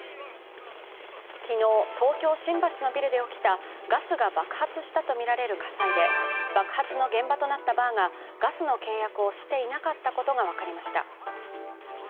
昨日、東京・新橋のビルで起きたガスが爆発したとみられる火災で爆発の現場となったバーがガスの契約をしていなかったことが分かりました。